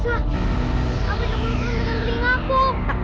apa yang kamu lakukan dengan keringaku